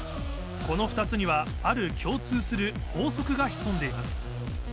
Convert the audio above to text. この２つにはある共通する法則が潜んでいます